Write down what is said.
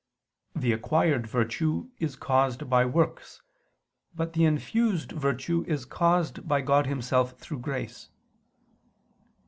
The acquired virtue is caused by works; but the infused virtue is caused by God Himself through His grace.